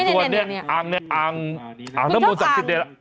กูชอบอัง